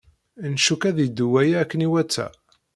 Ncukk ad iddu waya akken iwata.